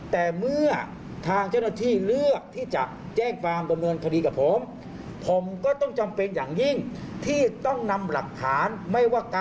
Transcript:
แต่เมื่อทางเจ้าหน้าที่เลือกที่จะแจ้งความดำเนินคดีกับผม